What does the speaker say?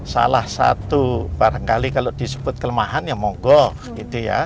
salah satu barangkali kalau disebut kelemahan ya mogok